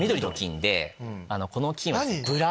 この菌は。